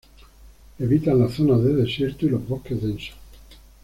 Evitan las zonas de desierto, y los bosques densos.